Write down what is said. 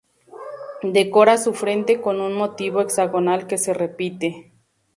Decora su frente con un motivo hexagonal que se repite.